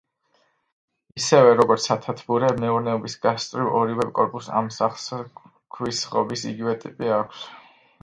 ისევე როგორც სასათბურე მეურნეობის გასწვრივ ორივე კორპუსს, ამ სახლსაც ქვის ღობის იგივე ტიპი აქვს.